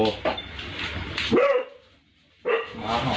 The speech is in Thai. กล้องมันสวยเลย